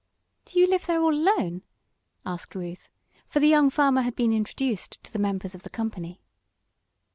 "Do you live there all alone?" asked Ruth, for the young farmer had been introduced to the members of the company.